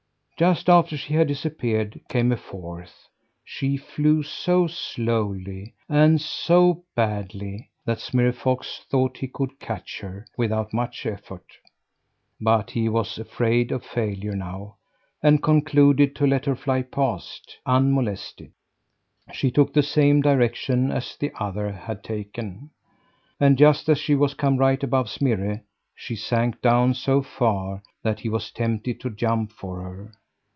Just after she had disappeared, came a fourth. She flew so slowly, and so badly, that Smirre Fox thought he could catch her without much effort, but he was afraid of failure now, and concluded to let her fly past unmolested. She took the same direction the others had taken; and just as she was come right above Smirre, she sank down so far that he was tempted to jump for her.